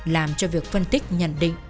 làm cho việc phân tích nhận định